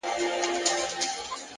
صبر د سترو ارمانونو ملګری دی